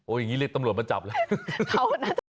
โอ้อย่างงี้เล็กตำรวจมาจับเลย